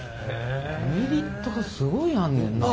メリットがすごいあんねんな。